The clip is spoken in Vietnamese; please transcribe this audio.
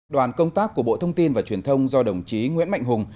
đoàn công tác của bộ thông tin và truyền thông do đồng chí nguyễn mạnh hùng